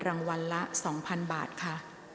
ออกรางวัลเลขหน้า๓ตัวครั้งที่๒ครั้งสุดท้ายค่ะ